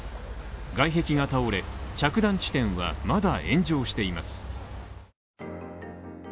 外壁が倒れ、着弾地点はまだ炎上しています。